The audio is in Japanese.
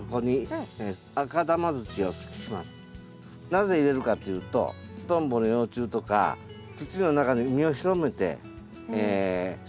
なぜ入れるかというとトンボの幼虫とか土の中で身を潜めて生活をします。